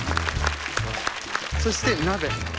そして鍋。